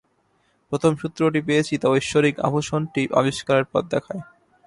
প্রথম সূত্রটি পেয়েছি তা ঐশ্বরিক আভূষণটি আবিষ্কারের পথ দেখায়।